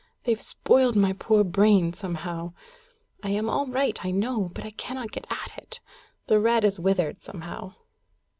They've spoiled my poor brain, somehow. I am all right, I know, but I cannot get at it. The red is withered, somehow."